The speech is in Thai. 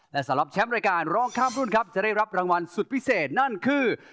และสำหรับแชมป์รายการร้องข้ามรุ่นครับจะได้รับรางวัลสุดพิเศษนั่นคือ